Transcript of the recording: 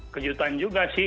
kejutan juga sih